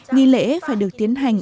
nghi lễ phải được tiến hành